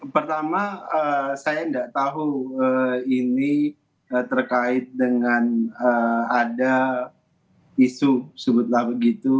pertama saya tidak tahu ini terkait dengan ada isu sebutlah begitu